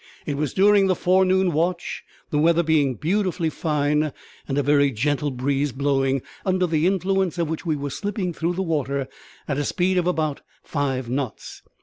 It was during the forenoon watch, the weather being beautifully fine, and a very gentle breeze blowing, under the influence of which we were slipping through the water at a speed of about five knots.